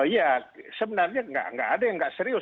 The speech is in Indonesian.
ya sebenarnya nggak ada yang nggak serius